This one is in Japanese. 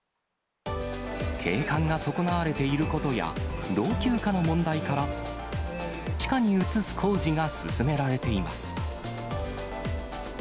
景観が損なわれていることや、老朽化の問題から、地下に移す工事が進められています。